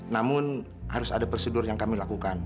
namun harus ada prosedur yang kami lakukan